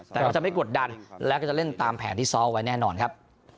แต่ก็จะไม่กดดันแล้วก็จะเล่นตามแผนที่ซ้อมเอาไว้แน่นอนครับ